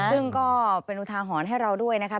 ซึ่งก็เป็นอุทาหรณ์ให้เราด้วยนะคะ